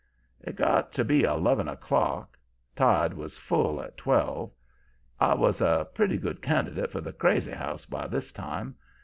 "It got to be eleven o'clock. Tide was full at twelve. I was a pretty good candidate for the crazy house by this time.